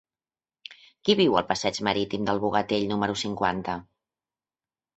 Qui viu al passeig Marítim del Bogatell número cinquanta?